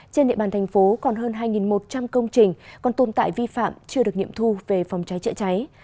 trên địa bàn thành phố còn hơn hai một trăm linh công trình còn tồn tại vi phạm chưa được nghiệm thu về phòng cháy chữa cháy